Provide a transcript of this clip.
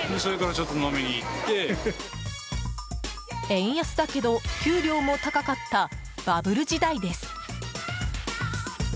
円安だけど給料も高かったバブル時代です。